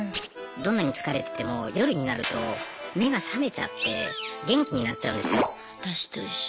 どんなに疲れてても夜になると目が覚めちゃって元気になっちゃうんですよ。